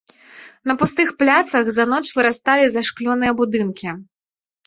На пустых пляцах за ноч вырасталі зашклёныя будынкі.